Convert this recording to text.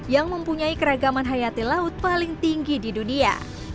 yang mempunyai keragaman hayati laut paling tinggi di dunia